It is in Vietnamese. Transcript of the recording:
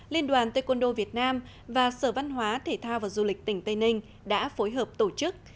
liên đoàn taekwondo việt nam và sở văn hóa thể thao và du lịch tỉnh tây ninh đã phối hợp tổ chức